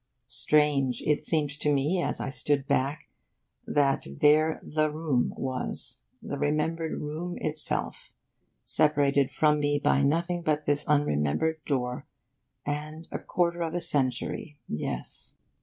Strange it seemed to me, as I stood back, that there the Room was, the remembered Room itself, separated from me by nothing but this unremembered door...and a quarter of a century, yes.